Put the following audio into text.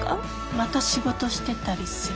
また仕事してたりする？